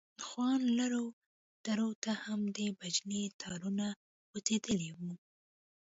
خو ان لرو درو ته هم د بجلي تارونه غځېدلي وو.